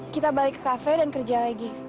kita balik ke kafe dan kerja lagi